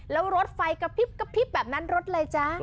แล้วรถไฟกระพริบแบบนั้นรถอะไรจ๊ะ